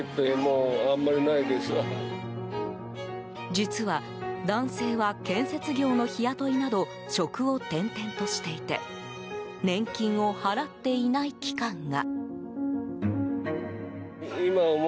実は、男性は建設業の日雇いなど職を転々としていて年金を払っていない期間が。